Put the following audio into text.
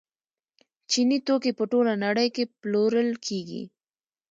چیني توکي په ټوله نړۍ کې پلورل کیږي.